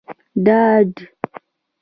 ډاډ